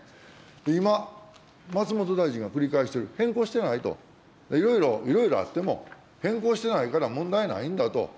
今、松本大臣が繰り返してる、変更してないと、いろいろ、いろいろあっても変更してないから、問題ないんだと。